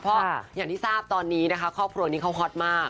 เพราะอย่างที่ทราบตอนนี้นะคะครอบครัวนี้เขาฮอตมาก